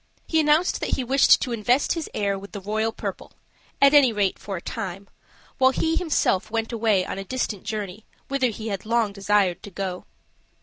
He announced that he wished to invest his heir with the royal purple at any rate, for a time while he himself went away on a distant journey, whither he had long desired to go.